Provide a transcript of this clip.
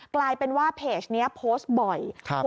กลายเป็นว่าเพจนี้โพสต์บ่อย